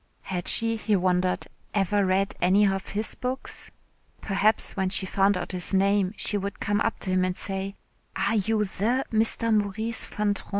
Had she, he wondered, ever read any of his books? Perhaps when she found out his name she would come up to him and say: "Are you the Mr. Maurice Van Trean?"